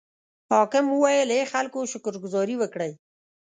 حاکم وویل: ای خلکو شکر ګذاري وکړئ.